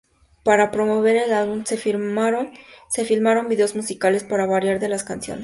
Para promover el álbum, se filmaron vídeos musicales para varias de las canciones.